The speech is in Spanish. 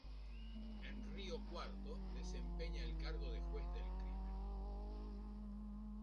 En Río Cuarto desempeña el cargo de juez del crimen.